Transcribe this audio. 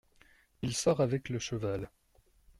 Il sort avec le cheval.